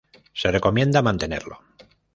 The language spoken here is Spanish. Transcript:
Se recomienda mantenerlo.